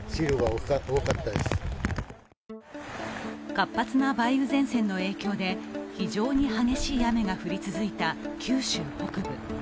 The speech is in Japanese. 活発な梅雨前線の影響で非常に激しい雨が降り続いた九州北部。